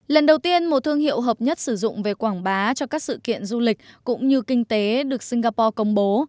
lần đầu tiên một thương hiệu hợp nhất sử dụng về quảng bá cho các sự kiện du lịch cũng như kinh tế được singapore công bố